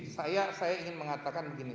saya ingin mengatakan begini